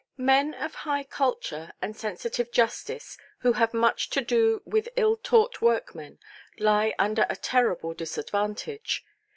Men of high culture and sensitive justice, who have much to do with ill–taught workmen, lie under a terrible disadvantage.